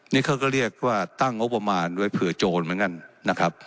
นี่เขาก็เรียกว่าตั้งงบประมาณไว้เผื่อโจรเหมือนกันนะครับ